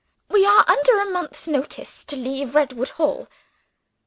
We are under a month's notice to leave Redwood Hall.